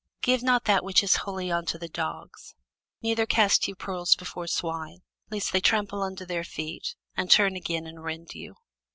Give not that which is holy unto the dogs, neither cast ye your pearls before swine, lest they trample them under their feet, and turn again and rend you.